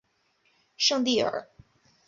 圣蒂尔。